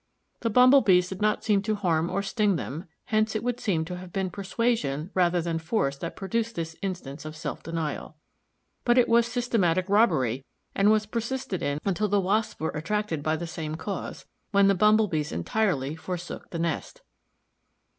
The Bumble bees did not seem to harm or sting them, hence it would seem to have been persuasion rather than force that produced this instance of self denial. But it was systematic robbery, and was persisted in until the Wasps were attracted by the same cause, when the Bumble bees entirely forsook the nest.